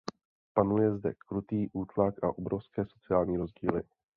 Panuje zde krutý útlak a obrovské sociální rozdíly.